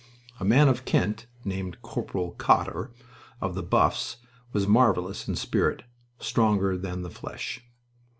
A man of Kent, named Corporal Cotter, of the Buffs, was marvelous in spirit, stronger than the flesh.